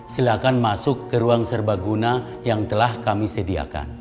silakan masuk ke ruang serbaguna yang telah kami sediakan